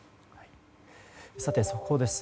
速報です。